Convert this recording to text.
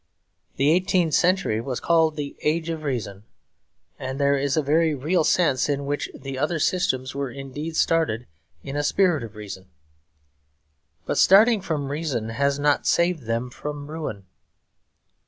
The eighteenth century was called the Age of Reason; and there is a very real sense in which the other systems were indeed started in a spirit of reason. But starting from reason has not saved them from ruin.